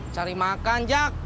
cari makan jak